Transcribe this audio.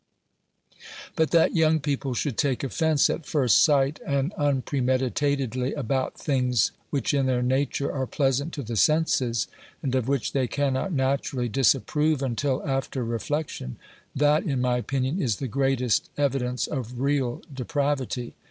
But that young people should take offence at first sight OBERMANN 215 and unpremeditatedly about things which in their nature are pleasant to the senses, and of which they cannot naturally disapprove until after reflection — that, in my opinion, is the greatest evidence of real depravity.